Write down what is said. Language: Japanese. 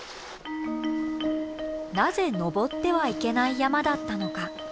なぜ登ってはいけない山だったのか。